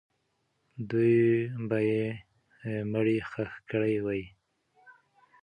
دوی به یې مړی ښخ کړی وي.